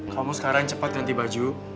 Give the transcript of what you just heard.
kamu sekarang cepat ganti baju